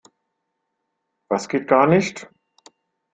Was geht gar nicht?